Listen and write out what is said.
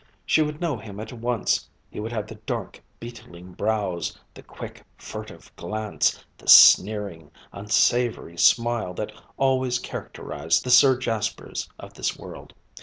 She would know him at once; he would have the dark beetling brows, the quick, furtive glance, the sneering, unsavoury smile that always characterised the Sir Jaspers of this world.